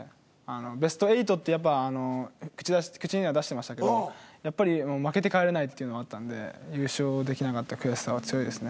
ベスト８ってやっぱ口には出してましたけどやっぱり負けて帰れないっていうのはあったので優勝できなかった悔しさは強いですね。